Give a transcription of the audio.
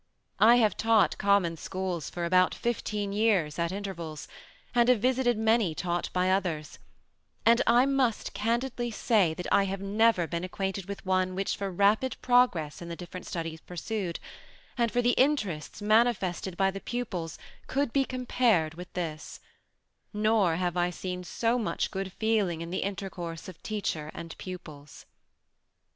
I have taught common schools for about 15 years at intervals, and have visited many taught by others, and I must candidly say, that I have never been acquainted with one which for rapid progress in the different studies pursued, and for the interests manifested by the pupils could be compared with this, nor have I ever seen so much good feeling in the intercourse of teacher and pupils."